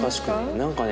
何かね